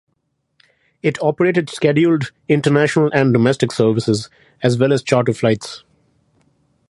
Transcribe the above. It operated scheduled international and domestic services, as well as charter flights.